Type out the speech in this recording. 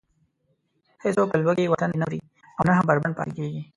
هېڅوک له لوږې و تندې نه مري او نه هم بربنډ پاتې کېږي.